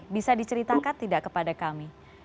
bisa diceritakan tidak kepada kami